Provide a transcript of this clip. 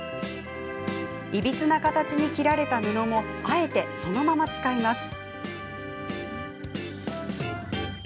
いびつな形に切られた布もあえてそのまま使います。